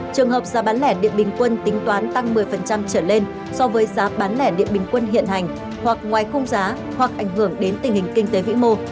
trường hợp giá bán lẻ điện bình quân tính toán tăng một mươi trở lên so với giá bán lẻ điện bình quân hiện hành hoặc ngoài khung giá hoặc ảnh hưởng đến tình hình kinh tế vĩ mô